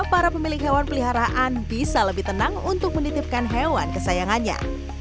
para pemilik hewan peliharaan bisa lebih tenang untuk menitipkan hewan kesayangannya